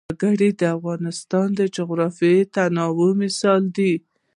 وګړي د افغانستان د جغرافیوي تنوع مثال دی.